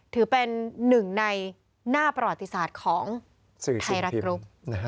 ถือเป็นหนึ่งในหน้าประวัติศาสตร์ของไทยรัฐกรุ๊ป